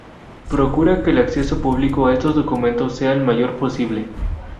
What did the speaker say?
Procura que el acceso público a esos documentos sea el mayor posible.